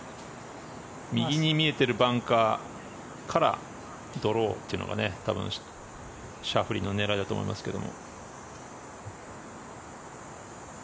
右に見えているバンカーからドローっていうのが多分シャフリーの狙いだと思いますけど。